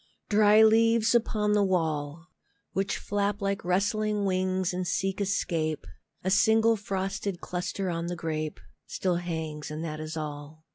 Dry leaves upon the wall, Which flap like rustling wings and seek escape, A single frosted cluster on the grape Still hangs and that is all.